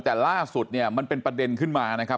แต่ล่าสุดเนี่ยมันเป็นประเด็นขึ้นมานะครับ